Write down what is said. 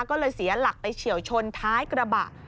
ก็เลยเสียหลักไปเฉียวชนท้ายกระบะ